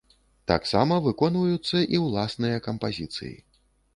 Таксама выконваюцца і ўласныя кампазіцыі.